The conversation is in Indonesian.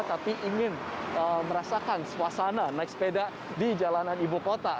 tapi ingin merasakan suasana naik sepeda di jalanan ibukota